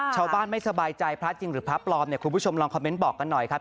ชาวบ้านไม่สบายใจพระจริงหรือพระปลอมเนี่ยคุณผู้ชมลองคอมเมนต์บอกกันหน่อยครับ